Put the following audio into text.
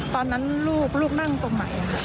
ตอนนั้นลูกลูกนั่งตรงไหนค่ะ